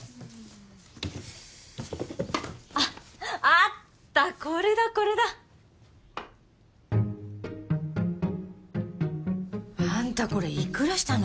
あっあったこれだこれだ。あんたこれ幾らしたの？